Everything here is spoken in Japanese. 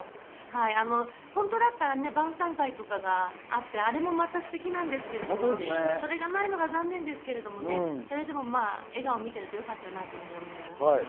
本当だったら晩餐会とかがあって、あれもまたステキなんですけど、それがないのが残念ですけれども、まぁ笑顔を見ているとよかったなと思います。